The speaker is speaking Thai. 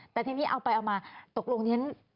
แต่ทีนี้เอาไปเอามาตกลงฉัน